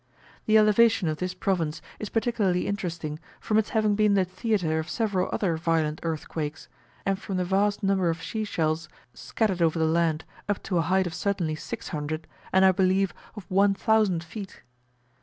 The elevation of this province is particularly interesting, from its having been the theatre of several other violent earthquakes, and from the vast numbers of sea shells scattered over the land, up to a height of certainly 600, and I believe, of 1000 feet.